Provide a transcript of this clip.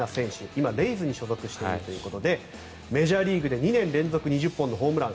今、レイズに所属しているということでメジャーリーグで２年連続２０本のホームラン。